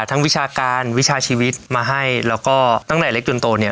วิชาการวิชาชีวิตมาให้แล้วก็ตั้งแต่เล็กจนโตเนี่ย